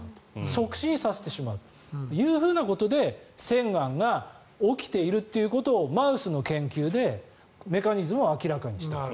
促進させてしまうということで腺がんが起きているということをマウスの研究でメカニズムを明らかにしたと。